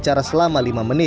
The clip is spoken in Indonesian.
dpr ri puan maharani